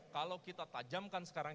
kalau kita tajamkan sekarang